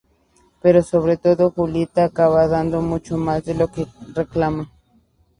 Pero sobre todo, Julieta acaba dando mucho más de lo que reclama.